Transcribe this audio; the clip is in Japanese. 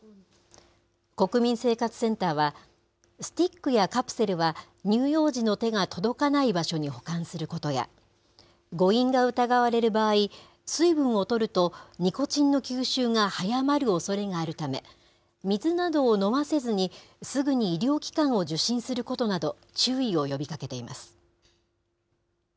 国民生活センターは、スティックやカプセルは乳幼児の手が届かない場所に保管することや、誤飲が疑われる場合、水分をとると、ニコチンの吸収が速まるおそれがあるため、水などを飲ませずに、すぐに医療機関を受診することなど、注意を呼びかけています。